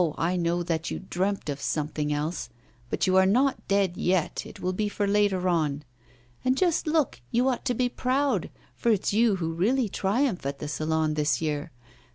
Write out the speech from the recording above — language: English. I know that you dreamt of something else! But you are not dead yet, it will be for later on. And, just look, you ought to be proud, for it's you who really triumph at the Salon this year.